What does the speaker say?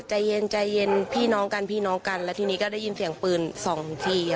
ใจเย็นใจเย็นพี่น้องกันพี่น้องกันแล้วทีนี้ก็ได้ยินเสียงปืนสองที